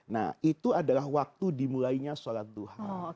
nah itu adalah waktu dimulainya sholat duhan